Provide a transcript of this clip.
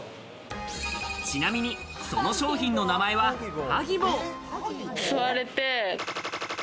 ちなみにその商品の名前は座れて。